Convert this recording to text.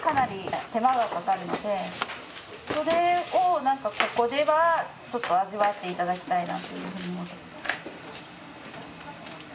それをここでは味わって頂きたいなというふうに思っています。